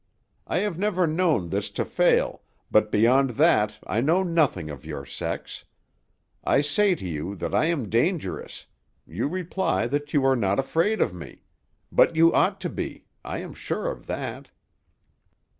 I have never known this to fail, but beyond that I know nothing of your sex. I say to you that I am dangerous; you reply that you are not afraid of me. But you ought to be; I am sure of that."